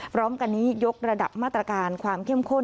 พร้อมกันนี้ยกระดับมาตรการความเข้มข้น